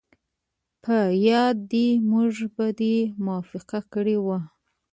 په یاد دي موږ په دې موافقه کړې وه